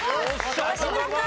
吉村さん。